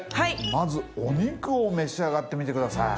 まずお肉を召し上がってみてください。